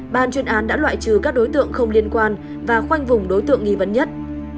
ban chuyên án đã loại trừ các đối tượng không liên quan và khoanh vùng đối tượng nghi vấn nhất